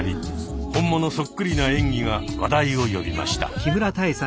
本物そっくりな演技が話題を呼びました。